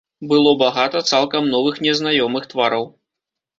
Было багата цалкам новых незнаёмых твараў.